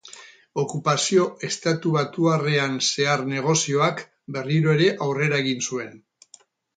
Okupazio estatubatuarrean zehar negozioak, berriro ere aurrera egin zuen.